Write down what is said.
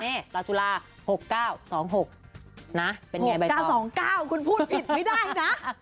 เนี้ยราชุลาหกเก้าสองหกนะเป็นไงหกเก้าสองเก้าคุณพูดผิดไม่ได้นะ